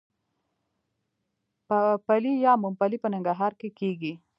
پلی یا ممپلی په ننګرهار کې کیږي.